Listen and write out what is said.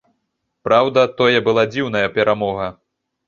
Праўда, тое была дзіўная перамога.